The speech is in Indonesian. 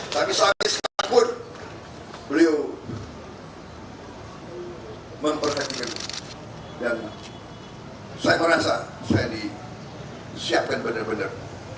tapi sampai sekarang pun beliau memperkecilkan dan saya merasa saya disiapkan benar benar